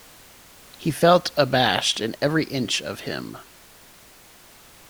He felt abashed in every inch of him.